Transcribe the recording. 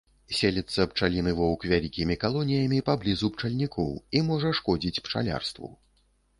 Селіцца пчаліны воўк вялікімі калоніямі паблізу пчальнікоў і можа шкодзіць пчалярству.